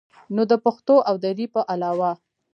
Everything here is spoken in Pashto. نو د پښتو او دري په علاوه